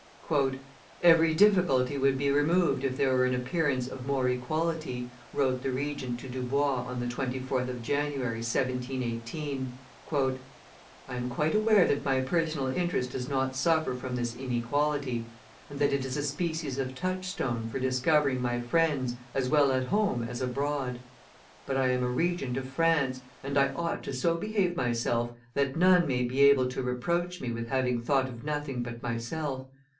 "Every difficulty would be removed if there were an appearance of more equality," wrote the Regent to Dubois on the 24th of January, 1718. "I am quite aware that my personal interest does not suffer from this inequality, and that it is a species of touchstone for discovering my friends as well at home as abroad. But I am Regent of France, and I ought to so behave myself that none may be able to reproach me with having thought of nothing but myself.